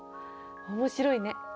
面白いね。